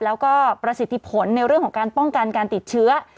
แล้วก็ประสิทธิผลในเรื่องของการป้องกันการติดเชื้อ